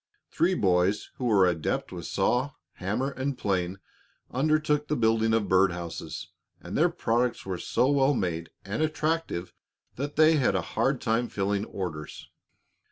Three boys who were adept with saw, hammer, and plane undertook the building of bird houses, and their products were so well made and attractive that they had a hard time filling orders.